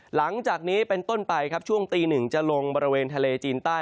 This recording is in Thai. หลังจากนี้เป็นต้นไปครับช่วงตีหนึ่งจะลงบริเวณทะเลจีนใต้